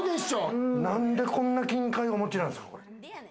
なんでこんな金塊、お持ちなんですか？